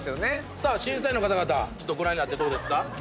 さあ審査員の方々ちょっとご覧になってどうですか？